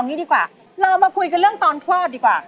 งี้ดีกว่าเรามาคุยกันเรื่องตอนคลอดดีกว่า